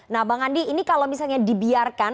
nah bang andi ini kalau misalnya dibiarkan